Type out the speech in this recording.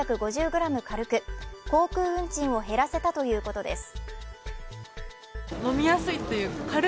軽く航空運賃を減らせたということです。